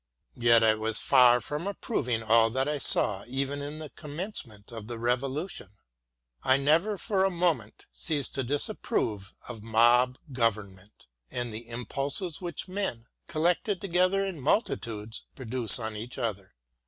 Yet I was far from approving all that I saw even in the commencement of the revolution. ... I never for a moment ceased to disapprove of mob government and the impulses which men, collected together in multitudes, produce on each other.